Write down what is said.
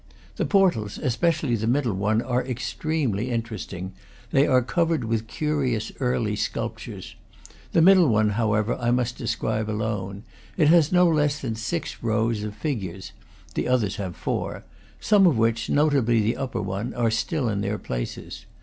The portals, especially the middle one, are extremely interesting; they are covered with curious early sculp tures. The middle one, however, I must describe alone. It has no less than six rows of figures, the others have four, some of which, notably the upper one, are still in their places.